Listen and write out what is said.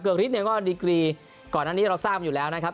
เกิกฤทธวีการก่อนหน้านี้เราทราบอยู่แล้วนะครับ